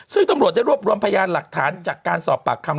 ซึ่งตำรวจได้รวบรวมพยานหลักฐานจากการสอบปากคำ